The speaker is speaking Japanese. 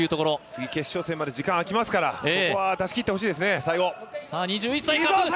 次、決勝戦まで時間が空きますから、ここで出しきってほしいですね。